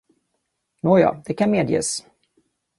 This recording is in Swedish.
Nåja, det kan medges!